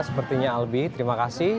sepertinya albi terima kasih